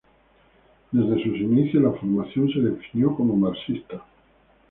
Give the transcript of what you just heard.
Desde sus inicios la formación se definió como marxista.